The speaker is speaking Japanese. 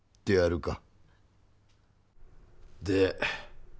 であるか。